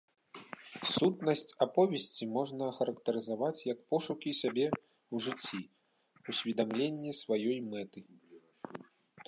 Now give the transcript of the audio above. Сутнасць аповесці можна ахарактарызаваць як пошукі сябе ў жыцці, усведамленне сваёй мэты.